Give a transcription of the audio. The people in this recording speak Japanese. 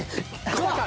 どうか？